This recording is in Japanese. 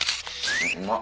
うまっ。